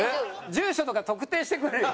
住所とか特定してくるよ。